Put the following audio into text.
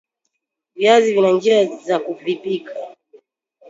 viazi vina njia za kuvipika